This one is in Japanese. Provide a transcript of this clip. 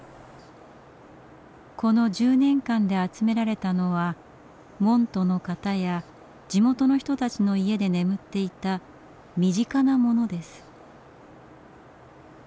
この１０年間で集められたのは門徒の方や地元の人たちの家で眠っていた身近なものです。